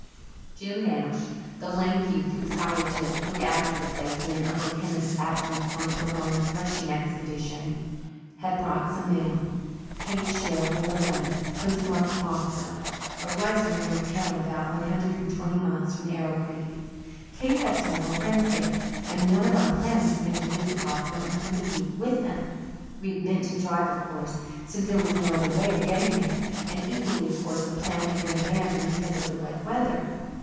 Jim Nash the lank youth who was hired to look after the place during Uncle Kenneth's absence on a prolonged threshing expedition had brought some mail. Kate's share was a letter, postmarked Bothwell, a rising little town about one hundred and twenty miles from Arrow Creek. Kate had several friends there, and one of our plans had been to visit Bothwell and spend a week with them. We had meant to drive, of course, since there was no other way of getting there, and equally of course the plan had been abandoned because of the wet weather.